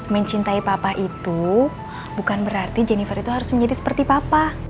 mencintai papa itu bukan berarti jennifer itu harus menjadi seperti papa